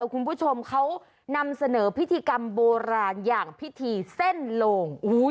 คุณผู้ชมเขานำเสนอพิธีกรรมโบราณอย่างพิธีเส้นโลง